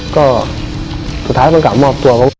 ก็สุดท้ายต้องกลับมอบตัว